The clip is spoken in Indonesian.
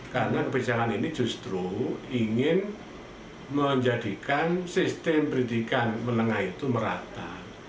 karena kebijakan ini justru ingin menjadikan sistem pendidikan menengah itu merata